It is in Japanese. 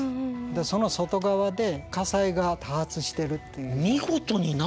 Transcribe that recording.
その外側で火災が多発してるっていう。